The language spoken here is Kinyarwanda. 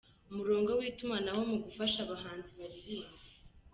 Umurongo witumanaho mu gufasha abahanzi baririmba